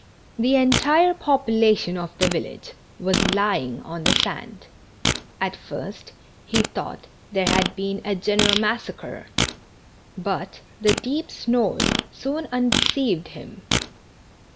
The entire population of the village was lying on the sand. At first he thought there had been a general massacre, but the deep snores soon undeceived him.